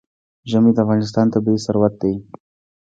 ژمی د افغانستان طبعي ثروت دی.